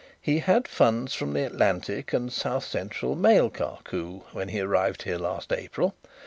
He had funds from the Atlantic and South Central Mail car coup when he arrived here last April.